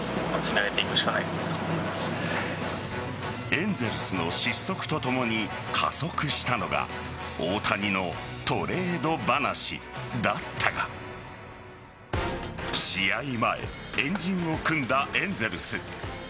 エンゼルスの失速とともに加速したのが大谷のトレード話だったが試合前、円陣を組んだエンゼルス。